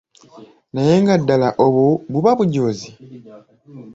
Naye nga ddala obwo buba bujoozi?